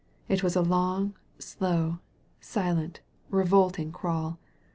It was a long, slow, silent, revolting crawl.